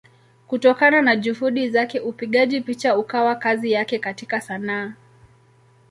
Kutokana na Juhudi zake upigaji picha ukawa kazi yake katika Sanaa.